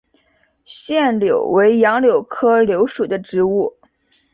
腺柳为杨柳科柳属的植物。